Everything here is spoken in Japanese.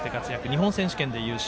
日本選手権で優勝。